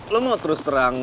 lo mau terus terang